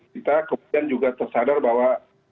kita kemudian juga tersadar bahwa